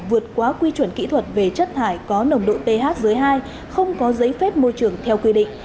vượt quá quy chuẩn kỹ thuật về chất thải có nồng độ ph dưới hai không có giấy phép môi trường theo quy định